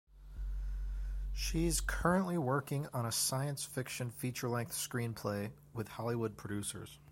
She is currently working on a science fiction feature-length screenplay with Hollywood producers.